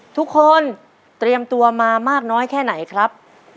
เตรียมตัวมามากน้อยแค่ไหนครับ